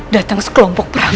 datang sekelompok perang